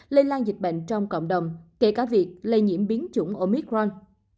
lây lan dịch bệnh trong cộng đồng kể cả việc lây nhiễm biến chủng omicron